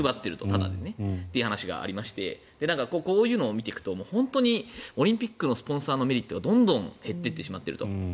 タダでね。という話がありましてこういうのを見ていくとオリンピックのスポンサーのメリットがどんどん減っていってしまっていると。